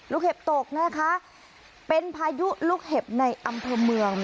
เห็บตกนะคะเป็นพายุลูกเห็บในอำเภอเมือง